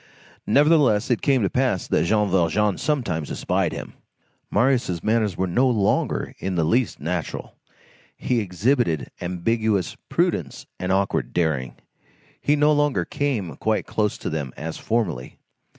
Nevertheless, it came to pass that Jean Valjean sometimes espied him. Marius' manners were no longer in the least natural. He exhibited ambiguous prudence and awkward daring. He no longer came quite close to them as formerly.